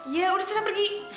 iya udah serah pergi